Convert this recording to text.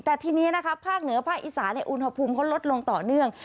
แต่ทีนี้นะคะภาคเหนือภาคอีสานอุณหภูมิเขาลดลงต่อเนื่อง